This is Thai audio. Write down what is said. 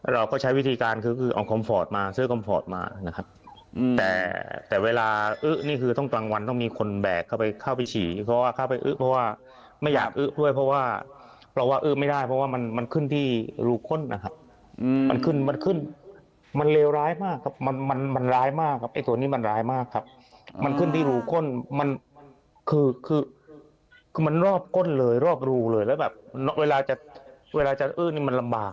เราก็ใช้วิธีการคือเอาคอมฟอร์ตมาเสื้อกอมฟอร์ตมานะครับแต่เวลาเอ๊ะนี่คือตรงตรงวันต้องมีคนแบกเข้าไปฉี่เข้าไปเอ๊ะเพราะว่าไม่อยากเอ๊ะด้วยเพราะว่าเราเอ๊ะไม่ได้เพราะว่ามันขึ้นที่รูข้นนะครับมันขึ้นมันเลวร้ายมากครับมันร้ายมากครับไอ้ส่วนนี้มันร้ายมากครับมันขึ้นที่รูข้นมันคือมันรอ